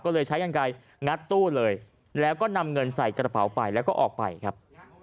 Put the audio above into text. ก็เลยใช้กันไกลงัดตู้เลยแล้วก็นำเงินใส่กระเป๋าไปแล้วก็ออกไปครับ